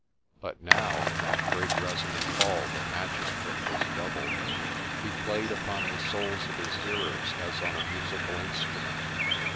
But now in that great resonant hall the magic of it was doubled. He played upon the souls of his hearers as on a musical instru ment.